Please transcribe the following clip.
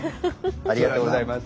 ありがとうございます。